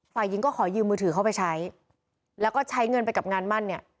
ฝ่ายหญิงก็ขอยืมมือถือเข้าไปใช้แล้วก็ใช้เงินไปกับงานมั่นเนี่ย